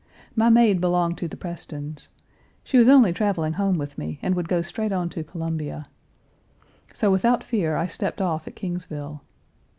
My maid belonged to the Prestons. She was only traveling home with me, and would go straight on to Columbia. So without fear I stepped off at Kingsville.